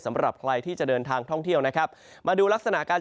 สำหรับใครที่จะเดินทางท่องเที่ยวนะครับมาดูลักษณะการ